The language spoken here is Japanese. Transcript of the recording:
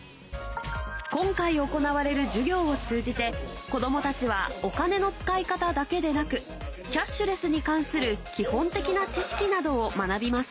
今回行われる授業を通じて子どもたちはお金の使い方だけでなくキャッシュレスに関する基本的な知識などを学びます。